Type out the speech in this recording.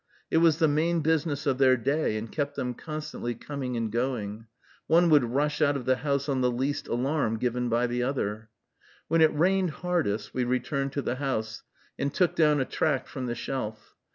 It was the main business of their day, and kept them constantly coming and going. One would rush out of the house on the least alarm given by the other. When it rained hardest, we returned to the house, and took down a tract from the shelf.